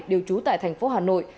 đều trú tại thành phố hà nội